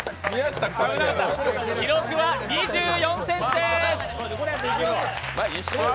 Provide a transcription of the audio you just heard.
記録は２４ｃｍです。